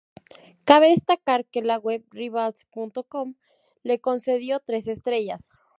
Cabe destacar que la web "Rivals.com" le concedió tres estrellas.